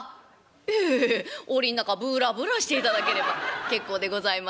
「ええええ檻の中ぶらぶらしていただければ結構でございますよ」。